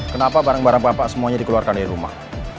kenapa barang barang pak pak semuanya dikeluarkan dari rumah